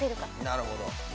なるほど。